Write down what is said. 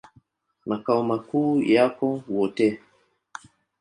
Makao makuu yako Wote.